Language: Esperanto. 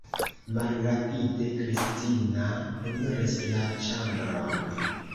Malrapide Kristina eniris la ĉambron.